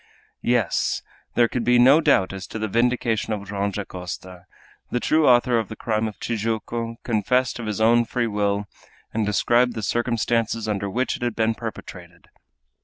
Yes! There could be no doubt as to the vindication of Joam Dacosta. The true author of the crime of Tijuco confessed of his own free will, and described the circumstances under which it had been perpetrated!